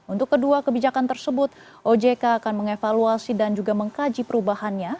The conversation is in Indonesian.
untuk kedua kebijakan tersebut ojk akan mengevaluasi dan juga mengkaji perubahannya